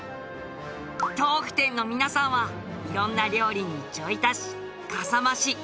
豆腐店の皆さんは色んな料理にちょい足しかさ増し。